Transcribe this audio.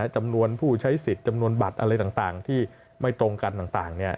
จำนวนผู้ใช้สิทธิ์จำนวนบัตรอะไรต่างที่ไม่ตรงกันต่าง